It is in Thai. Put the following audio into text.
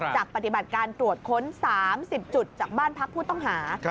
ปฏิบัติการตรวจค้น๓๐จุดจากบ้านพักผู้ต้องหา